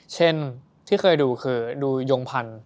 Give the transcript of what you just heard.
เช่นที่เคยดูคือดูยงพันธุ